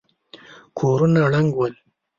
کورونه ړنګ ول.